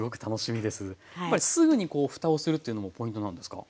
すぐにこうふたをするというのもポイントなんですか？